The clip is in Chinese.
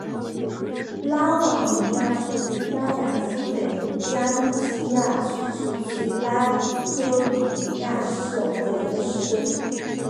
拉瓦尼亚是西班牙西北部加利西亚自治区拉科鲁尼亚省的一个市镇。